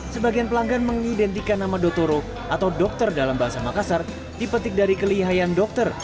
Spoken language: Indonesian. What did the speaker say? sebagian pelanggan mengidentikan nama dotoro atau dokter dalam bahasa makassar dipetik dari kelihayan dokter